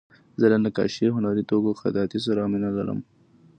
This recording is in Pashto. زه له نقاشۍ، هنري توکیو، خطاطۍ سره مینه لرم.